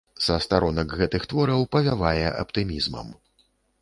Са старонак гэтых твораў павявае аптымізмам.